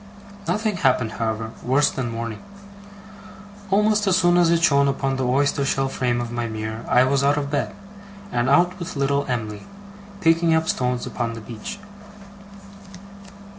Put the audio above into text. Nothing happened, however, worse than morning. Almost as soon as it shone upon the oyster shell frame of my mirror I was out of bed, and out with little Em'ly, picking up stones upon the beach.